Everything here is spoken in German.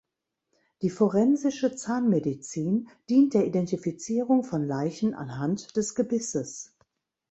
Die Forensische Zahnmedizin dient der Identifizierung von Leichen anhand des Gebisses.